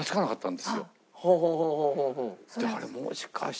であれもしかしたら。